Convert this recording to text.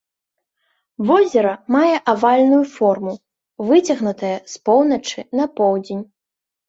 Возера мае авальную форму, выцягнутае з поўначы на поўдзень.